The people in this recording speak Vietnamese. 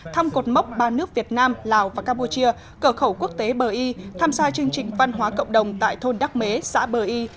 thăm cột mốc ba nước việt nam lào và campuchia cờ khẩu quốc tế bờ y tham gia chương trình văn hóa cộng đồng tại thôn đắc mế xã bờ y